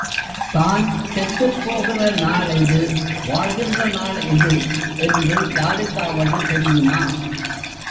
தான் செத்துப் போகிற நாள் எது, வாழ்கின்ற நாள் எது என்று யாருக்காவது தெரியுமா?